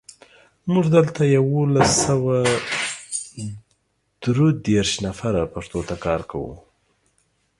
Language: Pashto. موږ دلته یولس سوه درودېرش نفره پښتو ته کار کوو.